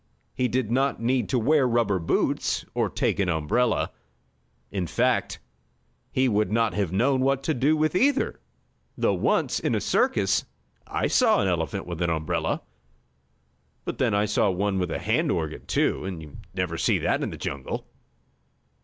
He did not need to wear rubber boots, or take an umbrella. In fact he would not have known what to do with either, though once, in a circus, I saw an elephant with an umbrella. But then I saw one with a hand organ, too, and you'd never see that in the jungle.